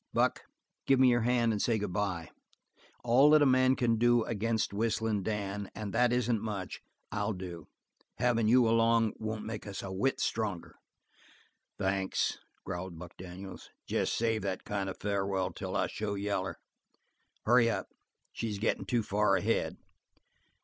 Buck, give me your hand and say good bye. All that a man can do against Whistling Dan, and that isn't much, I'll do. Having you along won't make us a whit stronger." "Thanks," growled Buck Daniels. "Jes save that kind farewell till I show yaller. Hurry up, she's gettin' too far ahead."